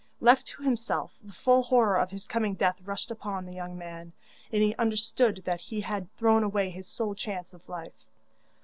Left to himself, the full horror of his coming death rushed upon the young man, and he understood that he had thrown away his sole chance of life.